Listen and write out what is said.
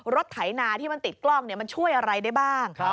ไถนาที่มันติดกล้องมันช่วยอะไรได้บ้าง